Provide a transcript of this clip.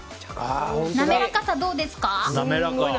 滑らかさどうですか？